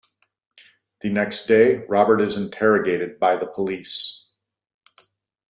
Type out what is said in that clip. The next day, Robert is interrogated by the police.